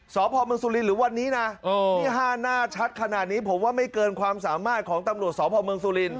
สพเมืองสุรินหรือวันนี้นะนี่๕หน้าชัดขนาดนี้ผมว่าไม่เกินความสามารถของตำรวจสพเมืองสุรินท